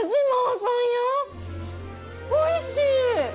おいしい！